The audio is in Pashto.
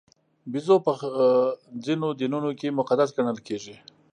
بیزو په ځینو دینونو کې مقدس ګڼل کېږي.